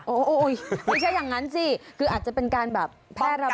โอ้โหไม่ใช่อย่างนั้นสิคืออาจจะเป็นการแบบแพร่ระบาด